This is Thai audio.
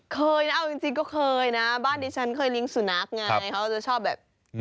เคยนะเอาจริงก็เคยนะบ้านดิฉันเคยเลี้ยงสุนัขไงเขาจะชอบแบบ